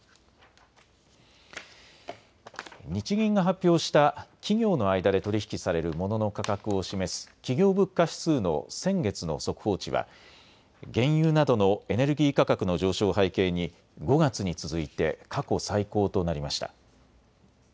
日銀が発表した企業の間で取り引きされるモノの価格を示す企業物価指数の先月の速報値は原油などのエネルギー価格の上昇を背景に５月に続いて過去最高となりました。